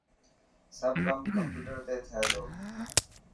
سب ڪم ڪمپيوٽر تي ٿي تو.